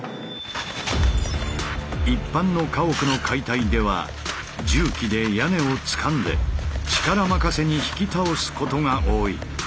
一般の家屋の解体では重機で屋根をつかんで力任せに引き倒すことが多い。